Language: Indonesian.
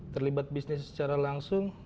terlibat bisnis secara langsung